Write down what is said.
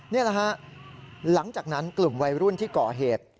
นี่แหละฮะหลังจากนั้นกลุ่มวัยรุ่นที่ก่อเหตุ